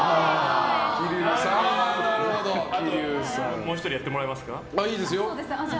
もう１人やってもらいます？